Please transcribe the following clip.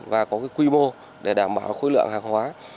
và có quy mô để đảm bảo khối lượng hàng hóa